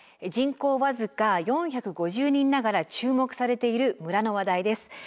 人口僅か４５０人ながら注目されている村の話題です。